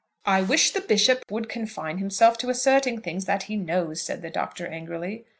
"I wish the Bishop would confine himself to asserting things that he knows," said the Doctor, angrily.